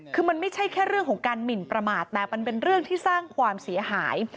คือมันไม่ใช่แค่เรื่องของการหมินประมาทแต่มันเป็นเรื่องที่สร้างความเสียหาย